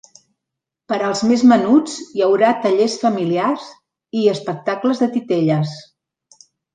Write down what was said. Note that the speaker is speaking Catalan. Per als més menuts, hi haurà tallers familiars i espectacles de titelles.